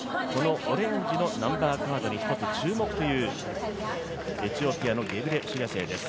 このナンバーカードに一つ注目という、エチオピアのゲブレシラシエです。